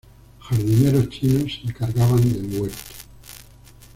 Jardineros chinos se encargaban del huerto.